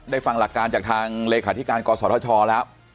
ฟังหลักการจากทางเลขาธิการกศธชแล้ว